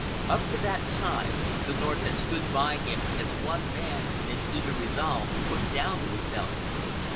Up to that time the North had stood by him as one man in its eager resolve to put down the rebellion.